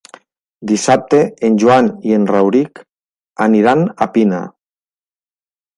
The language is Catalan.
Dissabte en Joan i en Rauric aniran a Pina.